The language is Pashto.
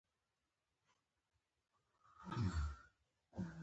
یوه هندۍ ښځینه لوبغاړې هم ښه نوم لري.